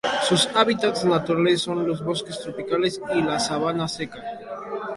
Sus hábitats naturales son los bosques tropicales y la sabana seca.